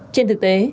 trên thực tế